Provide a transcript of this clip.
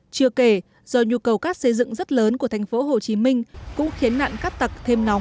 chưa kể do nhu cầu cát xây dựng rất lớn của thành phố hồ chí minh cũng khiến nạn cát tặc thêm nóng